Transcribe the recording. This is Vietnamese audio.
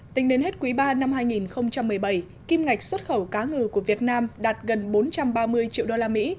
tính đến hết quý ba năm hai nghìn một mươi bảy kim ngạch xuất khẩu cá ngừ của việt nam đạt gần bốn trăm ba mươi triệu đô la mỹ